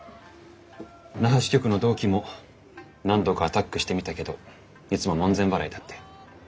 那覇支局の同期も何度かアタックしてみたけどいつも門前払いだって。